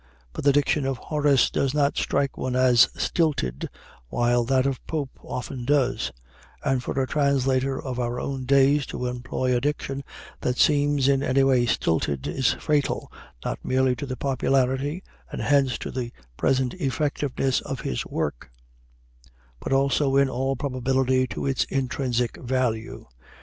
But the diction of Horace does not strike one as stilted, while that of Pope often does; and for a translator of our own days to employ a diction that seems in any way stilted is fatal not merely to the popularity and hence to the present effectiveness of his work, but also, in all probability, to its intrinsic value.